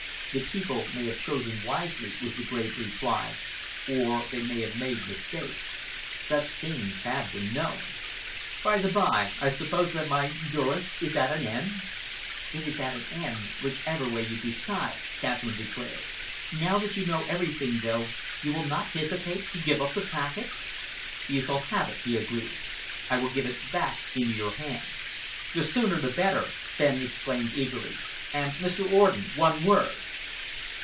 "The people may have chosen wisely," was the grave reply, "or they may have made mistakes. Such things have been known. By the bye, I suppose that my durance is at an end?" "It is at an end, whichever way you decide," Catherine declared. "Now that you know everything, though, you will not hesitate to give up the packet?" "You shall have it," he agreed. "I will give it back into your hands." "The sooner the better!" Fenn exclaimed eagerly. "And, Mr. Orden, one word."